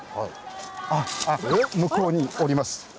向こうにおります。